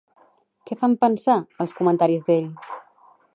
Què fan pensar, els comentaris d'ell?